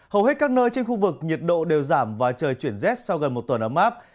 hầu hết các nơi trên khu vực nhiệt độ đều giảm và trời chuyển rét sau gần một tuần ấm áp